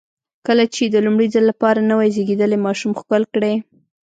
کله چې د لومړي ځل لپاره نوی زېږېدلی ماشوم ښکل کړئ.